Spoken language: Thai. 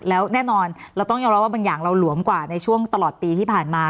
แล้วแน่นอนเราต้องยอมรับว่าบางอย่างเราหลวมกว่าในช่วงตลอดปีที่ผ่านมา